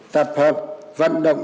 tập hợp vận động